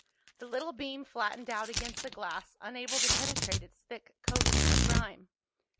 The little beam flattened out against the glass, unable to penetrate its thick coating of grime.